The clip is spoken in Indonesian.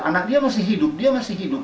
anak dia masih hidup